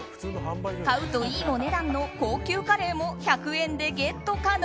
買うといいお値段の高級カレーも１００円でゲット可能。